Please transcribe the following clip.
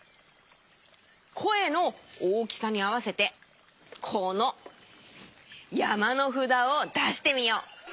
こえの大きさにあわせてこのやまのふだをだしてみよう。